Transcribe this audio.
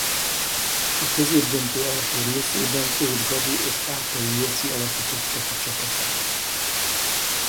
A középdöntő első részében Tóth Gabi és Pápai Joci alakította ki csapatát.